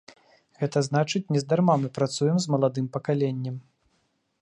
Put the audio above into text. Гэта значыць, нездарма мы працуем з маладым пакаленнем.